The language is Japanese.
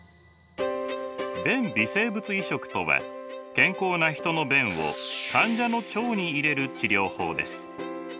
便微生物移植とは健康なヒトの便を患者の腸に入れる治療法です。